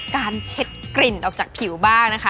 การเช็ดกลิ่นออกจากผิวบ้าง